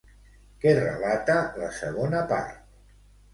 Què relata la segona part?